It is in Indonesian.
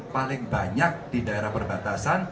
paling banyak di daerah perbatasan